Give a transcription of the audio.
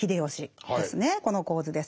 この構図です。